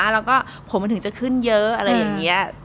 แล้วก็ผมมันถึงจะขึ้นเยอะอะไรอย่างนี้